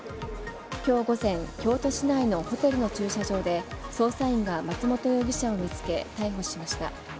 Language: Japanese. きょう午前、京都市内のホテルの駐車場で、捜査員が松本容疑者を見つけ、逮捕しました。